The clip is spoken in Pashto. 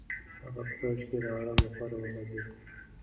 هغه په کوچ کې د ارام لپاره وغځېد.